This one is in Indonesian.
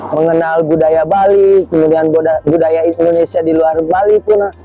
mengenal budaya bali kemudian budaya indonesia di luar bali pun